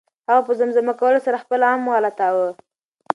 هغه په زمزمه کولو سره خپل غم غلطاوه.